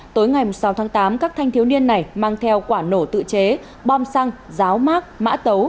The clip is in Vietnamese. tối ngày sáu tháng tám các thanh thiếu niên này mang theo quả nổ tự chế bom xăng ráo mát mã tấu